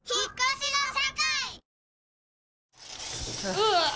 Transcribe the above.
うわ。